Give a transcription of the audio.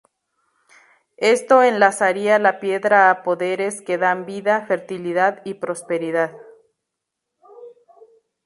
Esto enlazaría la piedra a poderes que dan vida, fertilidad y prosperidad.